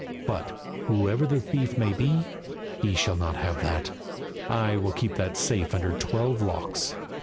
But, whoever the thief may be, he shall not have that; I will keep that safe under twelve locks."